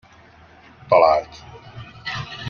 Talált.